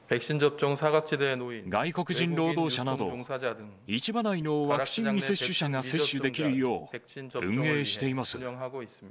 外国人労働者など、市場内のワクチン未接種者が接種できるよう、運営しています。